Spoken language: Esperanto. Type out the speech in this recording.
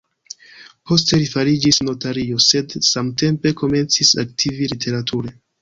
Poste li fariĝis notario, sed samtempe komencis aktivi literature.